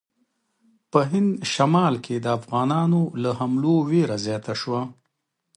په هند شمال کې د افغانانو له حملو وېره زیاته شوه.